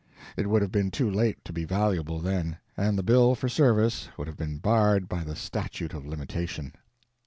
It would have been too late to be valuable, then, and the bill for service would have been barred by the statute of limitation.